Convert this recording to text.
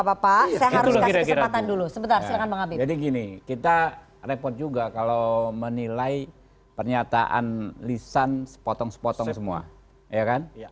bapak seharusnya kita repot juga kalau menilai pernyataan lisan sepotong sepotong semua ya kan